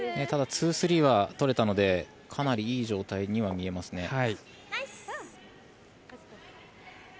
ただツー、スリーは取れたのでかなりいい状態には見えますね。